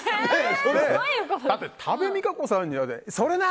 だって、多部未華子さんにそれな！